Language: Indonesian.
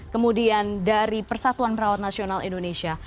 kemudian dari persatuan perawat nasional indonesia